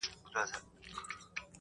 ستوري هم سترګک وهي په مینه مینه,